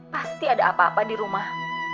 pasti ada apa apa di rumah